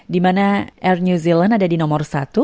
di mana air new zealand ada di nomor satu